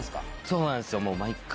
そうなんですよ毎回。